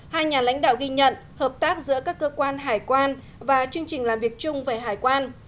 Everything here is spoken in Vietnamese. hai nhà lãnh đạo ghi nhận hợp tác giữa các cơ quan hải quan và chương trình làm việc chung về hải quan